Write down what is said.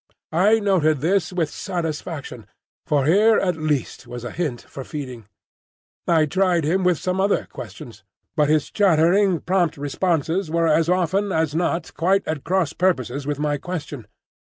I noted this with satisfaction, for here at least was a hint for feeding. I tried him with some other questions, but his chattering, prompt responses were as often as not quite at cross purposes with my question.